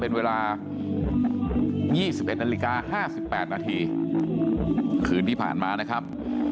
เป็นเวลา๒๑นาฬิกา๕๘นาทีคืนที่ผ่านมานะครับ